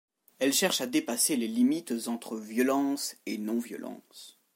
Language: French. Elle cherche à dépasser les limites entre violence et non-violence.